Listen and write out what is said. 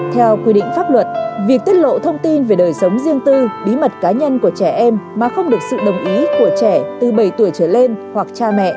theo quy định pháp luật việc tiết lộ thông tin về đời sống riêng tư bí mật cá nhân của trẻ em mà không được sự đồng ý của trẻ từ bảy tuổi trở lên hoặc cha mẹ